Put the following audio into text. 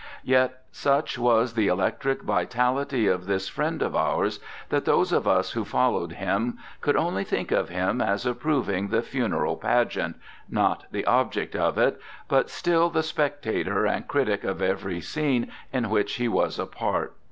Yet such was the electric vitality of this friend of ours, that those of us who followed him could only think of him as approving the funeral pageant, not the object of it, but still the spectator and critic of every scene in which he was a part.